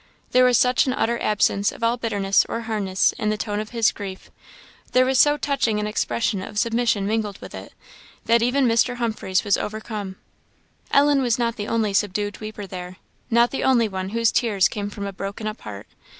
There was such an utter absence of all bitterness or hardness in the tone of this grief; there was so touching an expression of submission mingled with it, that even Mr. Humphreys was overcome. Ellen was not the only subdued weeper there not the only one whose tears came from a broken up heart.